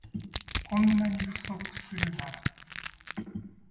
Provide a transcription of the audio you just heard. こんなに不足するなら